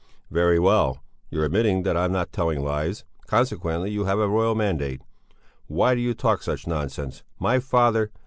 "Very well! You're admitting that I'm not telling lies, consequently you have a royal mandate. Why do you talk such nonsense? My father...."